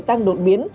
tăng đột biến